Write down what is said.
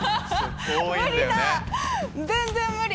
全然無理！